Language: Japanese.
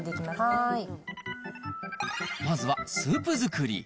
まずはスープ作り。